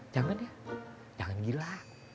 jangan ya jangan gila